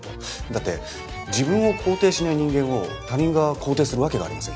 だって自分を肯定しない人間を他人が肯定するわけがありませんから。